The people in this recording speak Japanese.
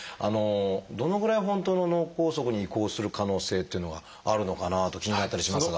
どのぐらい本当の脳梗塞に移行する可能性っていうのがあるのかなと気になったりしますが。